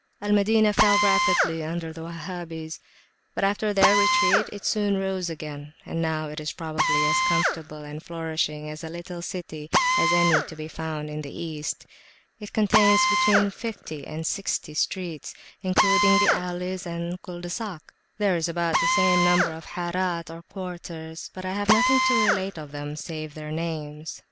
Al Madinah fell rapidly under the Wahhabis, but after their retreat, it soon rose again, and now it is probably as comfortable and flourishing a little city as any to be found in the East. It contains between fifty and sixty streets, including the alleys and culs de sac. There is about the same number of Harat or quarters; but I have nothing to relate of them save their names.